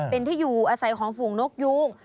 เป็นที่อยู่อาศัยของฝูงนกยูง